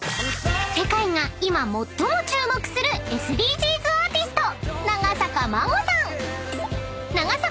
［世界が今最も注目するＳＤＧｓアーティスト］